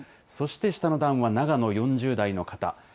そして下の段は長野４０代の方。